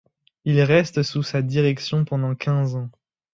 Il reste sous sa direction pendant quinze ans.